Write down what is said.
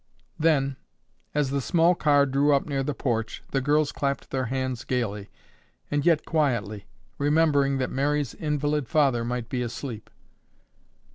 Then, as the small car drew up near the porch, the girls clapped their hands gaily, and yet quietly, remembering that Mary's invalid father might be asleep.